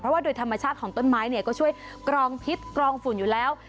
ว่าโดยธรรมชาติของต้นไม้เนี่ยก็ช่วยกรองพิษกรองฝุ่นอยู่แล้ว